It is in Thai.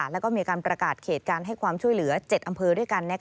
แล้วก็มีการประกาศเขตการให้ความช่วยเหลือ๗อำเภอด้วยกัน